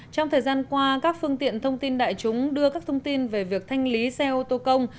trong thời gian qua các phương tiện thông tin đại chúng đưa các thông tin về việc thanh lý xe ô tô công